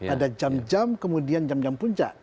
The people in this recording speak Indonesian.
ada jam jam kemudian jam jam puncak